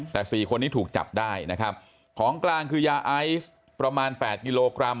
แต่สี่คนนี้ถูกจับได้นะครับของกลางคือยาไอซ์ประมาณแปดกิโลกรัม